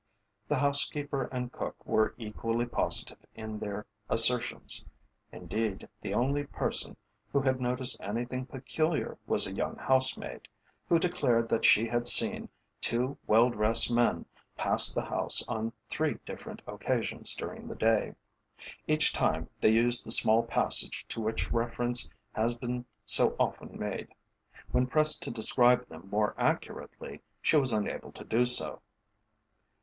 The housekeeper and cook were equally positive in their assertions; indeed, the only person who had noticed anything peculiar was a young housemaid, who declared that she had seen two well dressed men pass the house on three different occasions during the day. Each time they used the small passage to which reference has been so often made. When pressed to describe them more accurately, she was unable to do so.